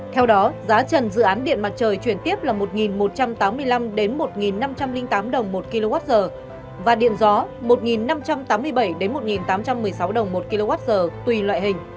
theo đó giá trần dự án điện mặt trời chuyển tiếp là một một trăm tám mươi năm một năm trăm linh tám đồng một kwh và điện gió một năm trăm tám mươi bảy một tám trăm một mươi sáu